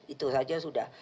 itu saja sudah